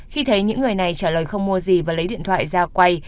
khi thấy những người này trả lời không mua gì và lấy điện thoại ra quay